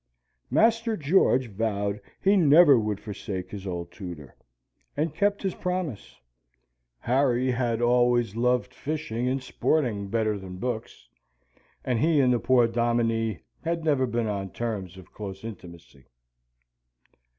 Master George vowed he never would forsake his old tutor, and kept his promise. Harry had always loved fishing and sporting better than books, and he and the poor Dominie had never been on terms of close intimacy.